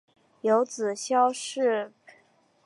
有子萧士赟。